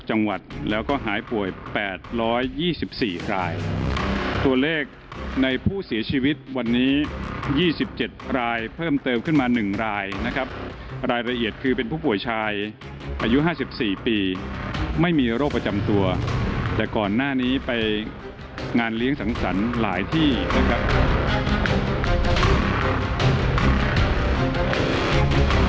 จังหวัดแล้วก็หายป่วย๘๒๔รายตัวเลขในผู้เสียชีวิตวันนี้๒๗รายเพิ่มเติมขึ้นมา๑รายนะครับรายละเอียดคือเป็นผู้ป่วยชายอายุ๕๔ปีไม่มีโรคประจำตัวแต่ก่อนหน้านี้ไปงานเลี้ยงสังสรรค์หลายที่นะครับ